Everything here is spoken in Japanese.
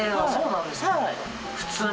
そうなんですか。